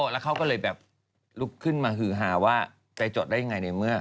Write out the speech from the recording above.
แล้วเขาก็เลยแบบลุกขึ้นมาฮือฮาว่าใจจดได้ยังไงในเมื่อ